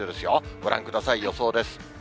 ご覧ください、予想です。